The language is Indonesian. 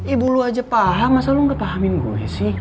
ibu lu aja paham mas lu nggak pahamin gue sih